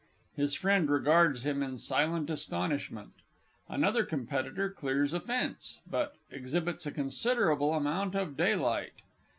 [_His Friend regards him in silent astonishment. Another Competitor clears a fence, but exhibits a considerable amount of daylight.